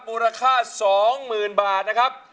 มูลค่าสองหมื่นบาทนะครับ